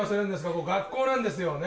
ここ学校なんですよね。